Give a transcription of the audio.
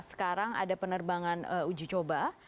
sekarang ada penerbangan uji coba